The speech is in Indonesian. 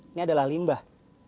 ini adalah limbah